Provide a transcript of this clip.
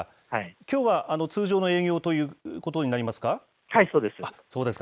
きょうは、通常の営業ということそうです。